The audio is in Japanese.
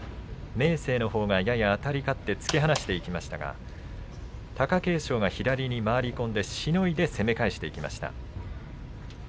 明生のほうがややあたり勝って突き放していきましたが貴景勝が左に回り込んでしのいで攻め返していきました。